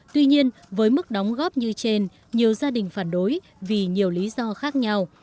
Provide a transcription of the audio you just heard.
tuy nhiên với mức đóng góp như trên nhiều gia đình phản đối vì nhiều lý do khác nhau